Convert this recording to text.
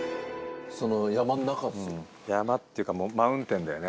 山っていうかマウンテンだよね